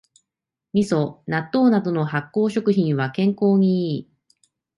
みそ、納豆などの発酵食品は健康にいい